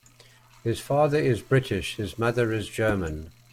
His father is British, his mother is German.